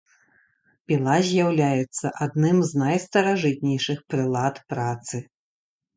Піла з'яўляецца адным з найстаражытнейшых прылад працы.